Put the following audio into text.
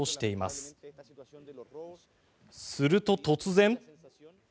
すると、突然。